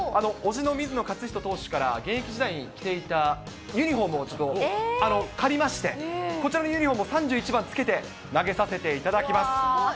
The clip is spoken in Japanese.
伯父の水野雄仁投手から、現役時代に着ていたユニホームをちょっと借りまして、こちらのユニホームを３１番つけて、投げさせていただきます。